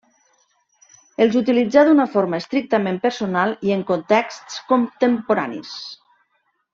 Els utilitzà d'una forma estrictament personal i en contexts contemporanis.